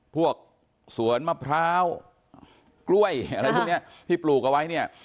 พวกสวนมะพร้าวกล้วยอะไรพวกนี้ที่ปลูกเอาไว้เนี่ย